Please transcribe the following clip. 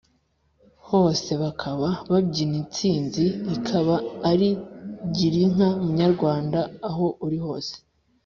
hose bakaba babyina intsinzi ikaba ari girinka munyarwanda aho uri hose.